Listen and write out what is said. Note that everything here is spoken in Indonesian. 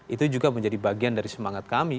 itu juga menjadi bagian dari semangat kami